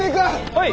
はい！